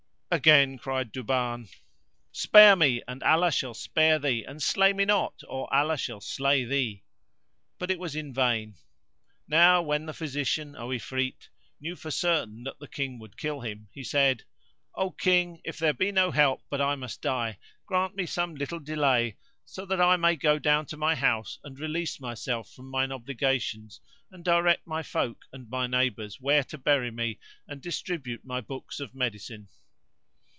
Again cried Duban, "Spare me and Allah shall spare thee; and slay me not or Allah shall slay thee." But it was in vain. Now when the physician, O Ifrit, knew for certain that the King would kill him, he said, "O King, if there be no help but I must die, grant me some little delay that I may go down to my house and release myself from mine obligations and direct my folk and my neighbours where to bury me and distribute my books of medicine.